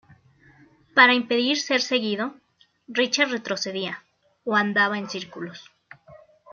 Para impedir ser seguido, Richard retrocedía, o andaba en círculos.